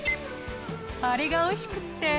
あれがおいしくって。